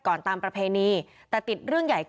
โหวตตามเสียงข้างมาก